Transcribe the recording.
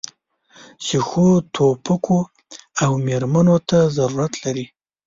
چې ښو توپکو او مرمیو ته ضرورت لري.